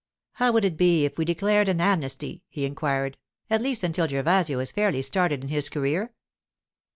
'How would it be if we declared an amnesty,' he inquired—'at least until Gervasio is fairly started in his career?